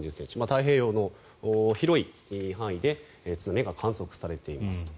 太平洋の広い範囲で津波が観測されていますと。